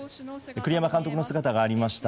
栗山監督の姿がありました。